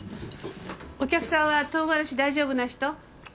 お客さんは唐辛子大丈夫な人？